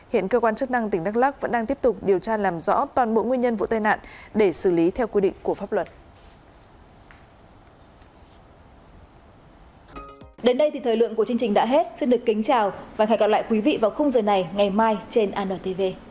hiện cơ quan chức năng tỉnh đắk lắc vẫn đang tiếp tục điều tra làm rõ toàn bộ nguyên nhân vụ tai nạn để xử lý theo quy định của pháp luật